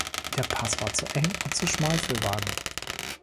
Der Pass war zu eng und zu schmal für Wagen.